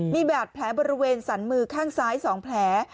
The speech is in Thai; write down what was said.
มีบาดแผลบริเวณสันมือข้างซ้าย๒แผล